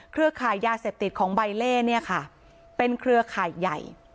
เครือคายยาเสพติดของใบเล่เป็นเครือคายใหญ่